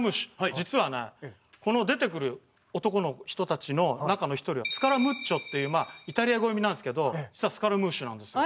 実はねこの出てくる男の人たちの中の１人はスカラムッチョっていうイタリア語読みなんですけどスカラムーシュなんですよ。